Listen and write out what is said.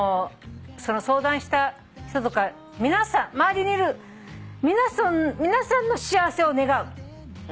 その相談した人とか周りにいる皆さんの幸せを願う。